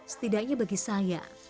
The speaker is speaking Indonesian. setidaknya bagi saya